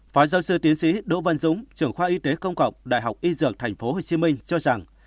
phó giáo sư tiến sĩ đỗ văn dũng trưởng khoa y tế công cộng đại học y dược tp hcm cho rằng